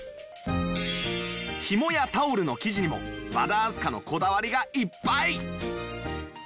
ひもやタオルの生地にも和田明日香のこだわりがいっぱい！